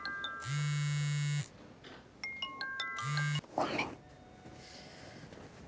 ごめん。